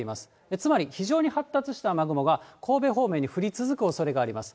つまり非常に発達した雨雲が、神戸方面に降り続くおそれがあります。